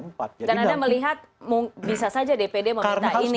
dan anda melihat bisa saja dpd meminta ini